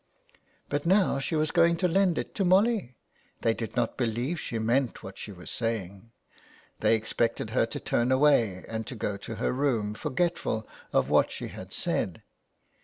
But now she was going to lend it to Molly. They did not believe she meant what she was saying. They expected her to turn away and to go to her room, forgetful of what she had said.